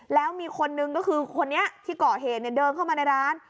แล้วมีคนนึงก็คือคนนี้ที่ก่อเหตุเดินเข้ามาในร้าน